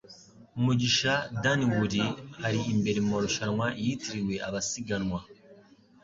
Mugisha Dunwoody ari imbere mumarushanwa yitiriwe abasiganwa